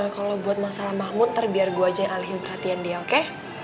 kalau buat masalah mahmu ntar biar gue aja yang alihin perhatian dia oke